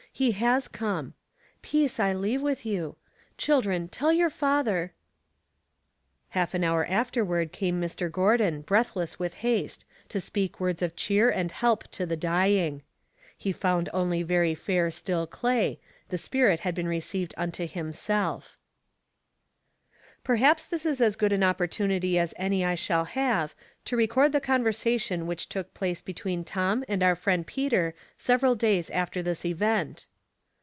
He has come. ' Peace I leave with you.' Children, tell your father —" Half an hour afterward came Mr. Gordon, breathless with haste, to speak words of cheer and help to the dying. He found only very fair still clay, the spirit had been received unto him Bdf, Perhaps this is as good an opportunity as any I shall have to record the conversation which took place between Tom and our friend Peter several days after this event.